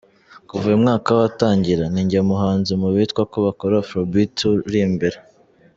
Kuva uyu mwaka watangira, ni njye muhanzi mu bitwa ko bakora Afrobeat uri imbere.